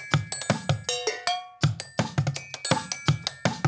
เพื่อสนับสนุนที่สุดท้าย